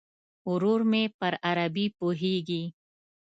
ورور مې پر عربي پوهیږي.